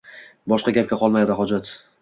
Boshqa gapga qolmaydi hojat.